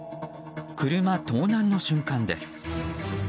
車盗難の瞬間です。